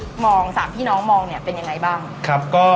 ขอให้สามพี่น้องมองเป็นยังไงบ้าง